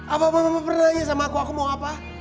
apa apa mama pernah nanya sama aku aku mau apa